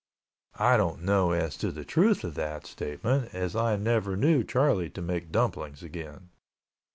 I don't know as to the truth of that statement as I never knew Charlie to make dumplings again.